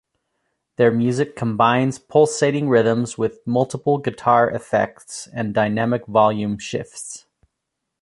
Their music combines pulsating rhythms with multiple guitar effects and dynamic volume shifts.